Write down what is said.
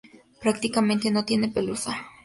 Prácticamente no tiene pelusa.